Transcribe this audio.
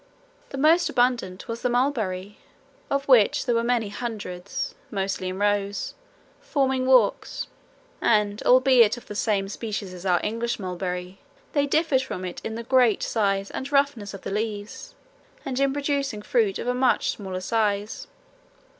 The most abundant was the mulberry, of which there were many hundreds, mostly in rows, forming walks, and albeit of the same species as our English mulberry they differed from it in the great size and roughness of the leaves and in producing fruit of a much smaller size.